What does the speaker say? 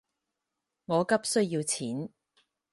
我急需要錢